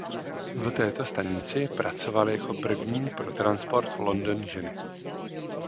V této stanici pracovaly jako první pro Transport London ženy.